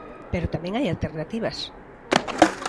Pero tamén hai alternativas.